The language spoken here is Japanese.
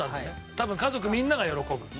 多分家族みんなが喜ぶ。